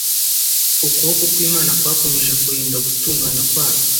ukuboko kw’Imana kwakomeje kurinda gutungana kwayo